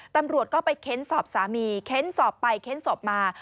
ตำรวจก็ไปเค้นสอบสามีเค้นสอบไปเค้นสอบมา